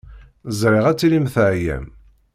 Ẓriɣ ad tilim teɛyam.